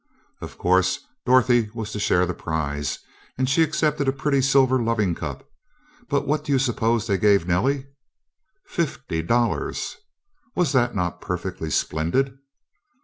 Of course Dorothy was to share the prize, and she accepted a pretty silver loving cup. But what do you suppose they gave Nellie? Fifty dollars! Was not that perfectly splendid?